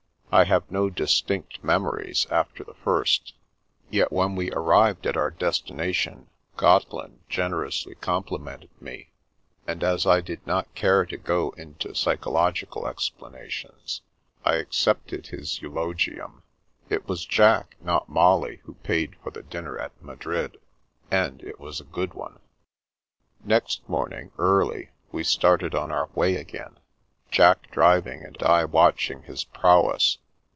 I have no distinct memories, after the first, yet when we ar rived at our destination, Gotteland generously com plimented me, and as I did not care to go into psy chological explanations, I accepted his eulogiiim. It was Jack, not Molly, who paid for the dinner at Madrid, and it was a good one. Next morning early we started on our way ag^in, Jack driving, and I watching his prowess.